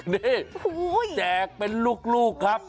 นี่แจกเป็นลูกครับ